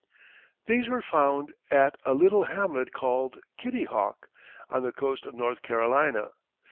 These they found at a little hamlet called Kitty Hawk on the coast of North Carolina.